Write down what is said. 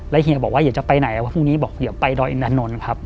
แล้วเฮียบอกว่าอย่าจะไปไหนว่าพรุ่งนี้บอกอย่าไปดอยน์ดานนท์ครับ